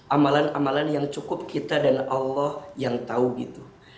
amalan amalan yang cukup kita dan allah yang tahu gitu